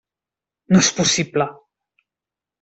No és possible!